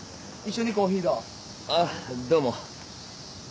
あっどうも。